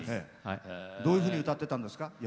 どういうふうに歌ってたんですか？